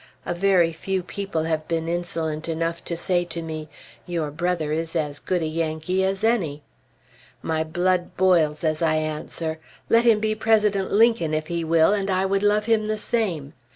A very few people have been insolent enough to say to me, "Your brother is as good a Yankee as any." My blood boils as I answer, "Let him be President Lincoln if he will, and I would love him the same."